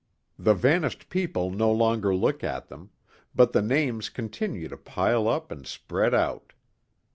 The vanished people no longer look at them. But the names continue to pile up and spread out.